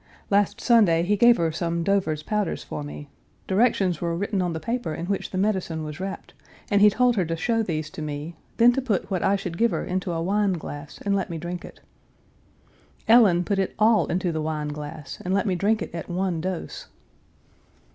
Last Sunday, he gave her some Dover's powders for me; directions were written on the paper in which the medicine was wrapped, and he told her to show these to me, then to put what I should give her into a wine glass and let me drink it. Ellen put it all into the wine glass and let me drink it at one dose.